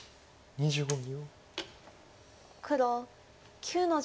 ２５秒。